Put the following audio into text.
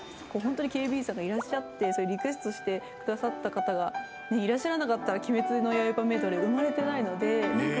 警備員さんがいらっしゃってリクエストしてくださった方がいらっしゃらなかったら『鬼滅の刃』メドレー生まれてないので。